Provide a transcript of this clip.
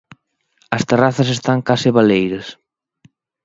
As terrazas están case baleiras.